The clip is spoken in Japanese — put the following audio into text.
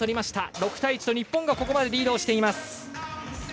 ６対１と日本がここまでリードしています。